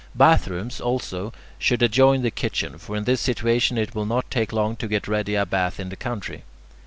Bathrooms, also, should adjoin the kitchen; for in this situation it will not take long to get ready a bath in the country.